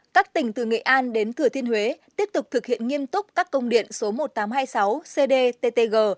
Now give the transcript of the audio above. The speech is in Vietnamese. các tỉnh từ nghệ an đến thừa thiên huế tiếp tục thực hiện nghiêm túc các công điện số một nghìn tám trăm hai mươi sáu cdttg